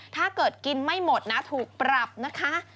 ถ้าเกิดกินไม่หมดนะถูกปรับนะคะ